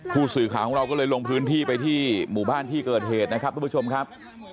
ผู้สื่อข่าวของเราก็เลยลงพื้นที่ไปที่หมู่บ้านที่เกิดเหตุนะครับทุกผู้ชมครับ